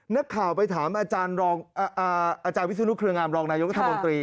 นักข่าวไปถามอาจารย์วิศนุเครืองามรองนายกัธมนตรี